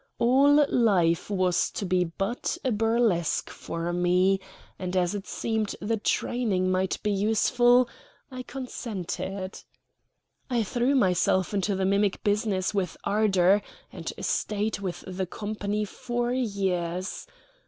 All life was to be but a burlesque for me, and, as it seemed the training might be useful, I consented. I threw myself into the mimic business with ardor, and stayed with the company four years.